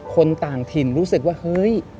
คนต่างถิ่นรู้สึกว่าเฮ้ย